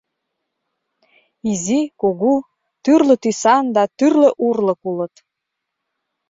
Изи, кугу, тӱрлӧ тӱсан да тӱрлӧ урлык улыт.